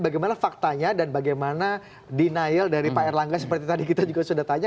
bagaimana faktanya dan bagaimana denial dari pak erlangga seperti tadi kita juga sudah tanya